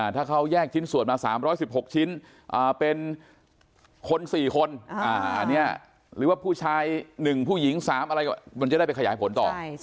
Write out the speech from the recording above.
ถ้าเขาแยกชิ้นส่วนมา๓๑๖ชิ้นเป็นคน๔คนอันนี้หรือว่าผู้ชาย๑ผู้หญิง๓อะไรมันจะได้ไปขยายผลต่อ